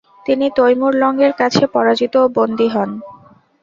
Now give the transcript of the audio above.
তিনি তৈমুর লঙের কাছে পরাজিত ও বন্দী হন।